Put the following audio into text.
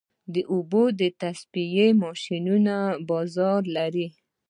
د اوبو تصفیې ماشینونه بازار لري؟